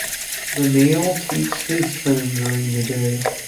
The male takes his turn during the day.